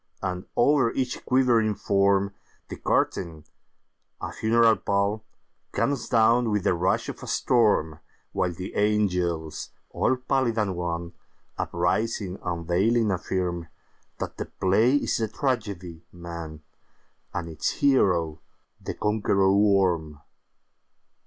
And, over each quivering form, The curtain, a funeral pall, Comes down with the rush of a storm, While the angels, all pallid and wan, Uprising, unveiling, affirmThat the play is the tragedy, 'Man,'And its hero the Conqueror Worm.